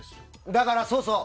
だから、そうそう！